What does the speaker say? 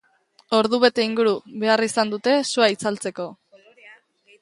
Ordubete inguru behar izan dute sua itzaltzeko.